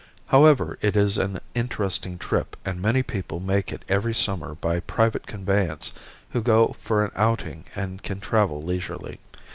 However it is an interesting trip and many people make it every summer by private conveyance who go for an outing and can travel leisurely.